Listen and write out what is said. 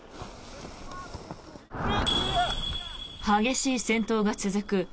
激しい戦闘が続く